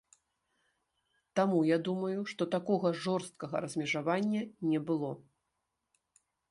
Таму я думаю, што такога жорсткага размежавання не было.